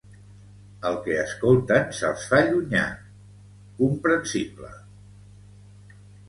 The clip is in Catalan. El que escolten se'ls fa llunyà, comprensible.